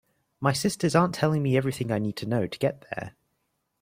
My sisters aren’t telling me everything I need to know to get there.